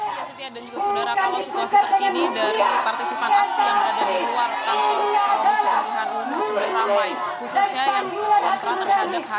iya siti ada juga saudara kalau situasi terkini dari partisipan aksi yang berada di luar kantor